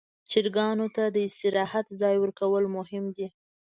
چرګانو ته د استراحت ځای ورکول مهم دي.